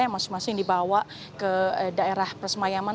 yang masing masing dibawa ke daerah persemayaman